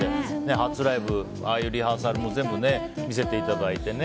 初ライブ、ああいうリハーサルも全部、見せていただいて。